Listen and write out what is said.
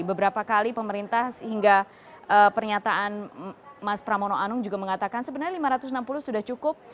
beberapa kali pemerintah sehingga pernyataan mas pramono anung juga mengatakan sebenarnya lima ratus enam puluh sudah cukup